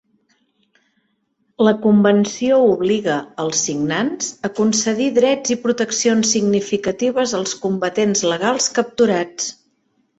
La convenció obliga els signants a concedir drets i proteccions significatives als combatents legals capturats.